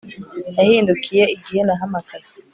Yahindukiye igihe nahamagaye